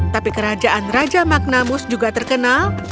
tapi kerajaan raja magnamus juga terkenal